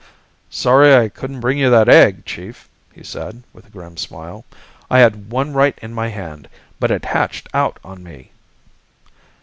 "Sorry I couldn't bring you that egg, Chief," he said, with a grim smile. "I had one right in my hand, but it hatched out on me."